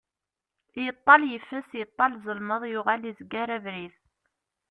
Yeṭall yeffes, yeṭall zelmeḍ, yuɣal izger abrid.